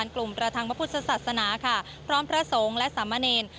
กลุ่มประทังพระพุทธศาสนาค่ะพร้อมพระสงฆ์และสามเณร